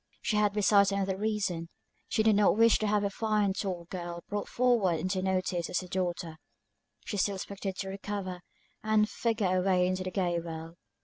She had besides another reason, she did not wish to have a fine tall girl brought forward into notice as her daughter; she still expected to recover, and figure away in the gay world.